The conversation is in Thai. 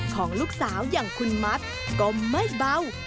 ของลูกสาวอย่างคุณมัดก็ไม่เบา